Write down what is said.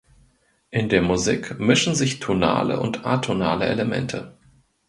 In der Musik mischen sich tonale und atonale Elemente.